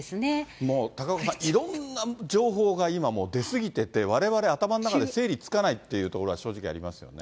もう高岡さん、いろんな情報が今、もう出過ぎてて、われわれ、頭の中で整理つかないっていうところが正直ありますよね。